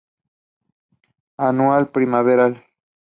Anual primaveral.